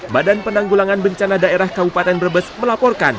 badan penanggulangan bencana daerah kabupaten brebes melaporkan